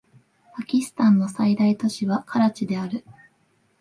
パキスタンの最大都市はカラチである